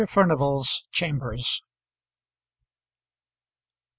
FURNIVAL'S CHAMBERS. Mr.